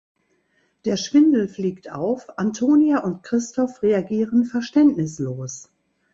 Der Schwindel fliegt auf, Antonia und Christoph reagieren verständnislos.